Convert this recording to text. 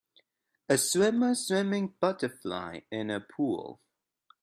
A swimmer swimming butterfly in a pool